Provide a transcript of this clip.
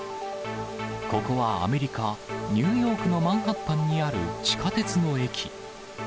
ここはアメリカ・ニューヨークのマンハッタンにある地下鉄の駅。